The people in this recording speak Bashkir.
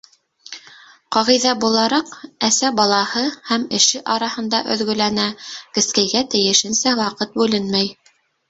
Ҡағиҙә булараҡ, әсә балаһы һәм эш араһында өҙгөләнә, кескәйгә тейешенсә ваҡыт бүленмәй.